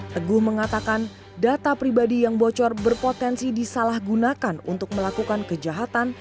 teguh mengatakan data pribadi yang bocor berpotensi disalahgunakan untuk melakukan kejahatan